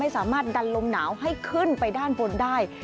สามารถดันลมหนาวให้ขึ้นไปด้านบนได้